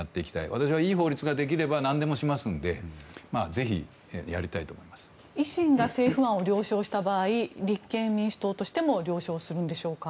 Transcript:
私はいい法律ができるなら何でもやりたいと思いますので維新が政府案を了承した場合立憲民主党としても了承するんでしょうか。